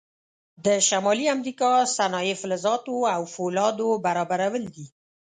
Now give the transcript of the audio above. د شمالي امریکا صنایع فلزاتو او فولادو برابرول دي.